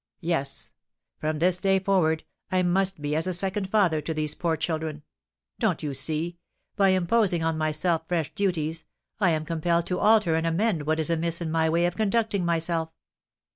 "Yes; from this day forward I must be as a second father to these poor children. Don't you see, by imposing on myself fresh duties, I am compelled to alter and amend what is amiss in my way of conducting myself?